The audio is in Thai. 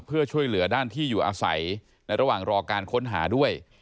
เพื่อช่วยเหลือด้านที่อยู่อาศัยในระหว่างรอการค้นหาด้วย